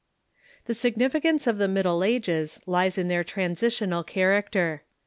] The significance of the Middle Ages lies in their transi tional character.